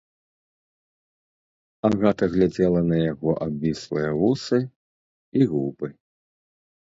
Агата глядзела на яго абвіслыя вусы і губы.